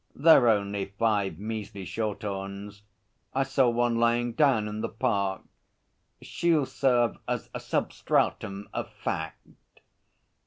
'They're only five measly Shorthorns. I saw one lying down in the park. She'll serve as a sub stratum of fact.'